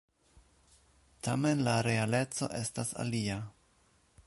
Tamen la realeco estas alia.